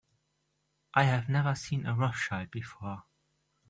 I have never seen a Rothschild before.